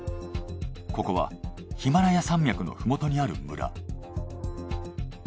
ここはヒマラヤ山脈の麓にある村。